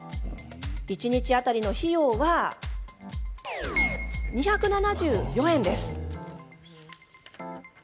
一日当たりの費用は２７４円です。